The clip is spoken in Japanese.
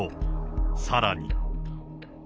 さらに。